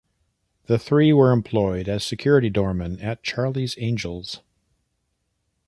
The three were employed as security doormen at Charlie's Angels.